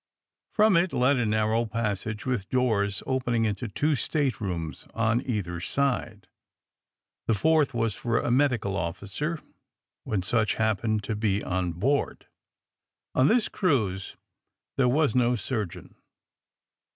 From it led a narrow passage with doors open ing into two staterooms on either side. The fourth was for a medical officer when such hap pened to be on board. On this cruise there was no surgeon.